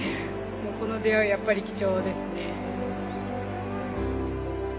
もうこの出会いはやっぱり貴重ですね。